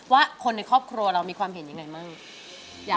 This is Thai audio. ว่าคนในครอบครัวเรามีความเห็นยังไงบ้าง